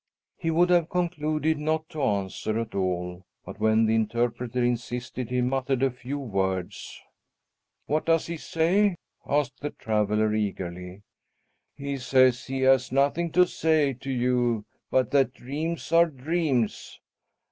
He would have concluded not to answer at all; but when the interpreter insisted, he muttered a few words. "What does he say?" asked the traveller eagerly. "He says he has nothing to say to you but that dreams are dreams."